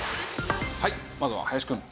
はいまずは林くん。